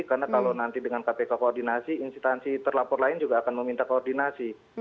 karena kalau nanti dengan kpk koordinasi instansi terlapor lain juga akan meminta koordinasi